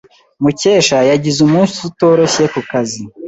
Mukesha yagize umunsi utoroshye ku kazi.